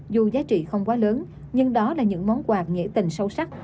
dù giá trị không quá lớn nhưng đó là những món quà nghĩa tình sâu sắc